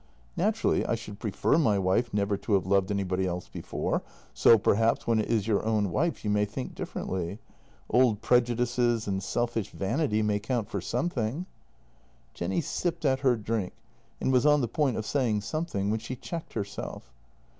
"Naturally I should prefer my wife never to have loved anybody else before, so, perhaps, when it is your own wife you may think differently. Old prejudices and selfish vanity may count for something." JENNY 178 Jenny sipped at her drink, and was on the point of saying something when she checked herself.